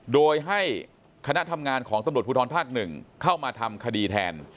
โดยให้คณะทำงานของตำรวจภูทรภาค๑เข้ามาทำคดีแทน